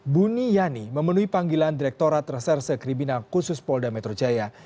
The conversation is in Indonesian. buni yani memenuhi panggilan direkturat reserse kriminal khusus polda metro jaya